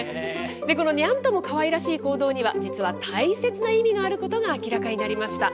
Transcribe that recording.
このニャンともかわいらしい行動には、実は大切な意味があることが明らかになりました。